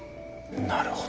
なるほど。